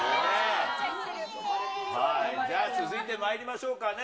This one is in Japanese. じゃあ、続いてまいりましょうかね。